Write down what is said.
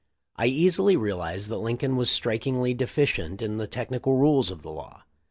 I easily realized that Lincoln was strik ingly deficient in the technical rules of the law.